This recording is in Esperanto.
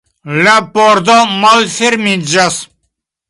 La pordo malfermiĝas.